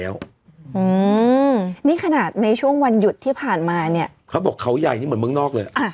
วันหยุดที่ผ่านมาเนี้ยเขาบอกเขาใหญ่นี่เหมือนเมืองนอกเลยอ่ะ